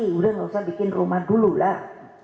sudah tidak usah bikin rumah dulu lah